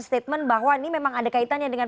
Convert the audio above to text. statement bahwa ini memang ada kaitannya dengan